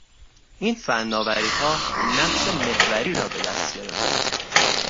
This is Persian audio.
این فناوریها نقش محوری را به دست گرفتهاند